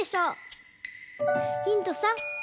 ヒント３。